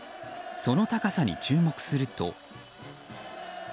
その高さに注目すると。